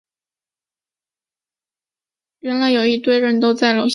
原来有一堆人都在楼下餐厅吃